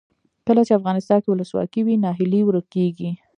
کله چې افغانستان کې ولسواکي وي ناهیلي ورکیږي.